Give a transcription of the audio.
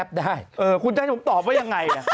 คุณจะให้ผมตอบว่ายังไง